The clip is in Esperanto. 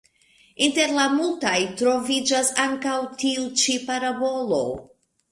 Inter la multaj troviĝas ankaŭ tiu ĉi parabolo.